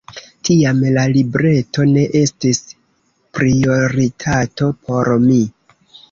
Tiam la libreto ne estis prioritato por mi.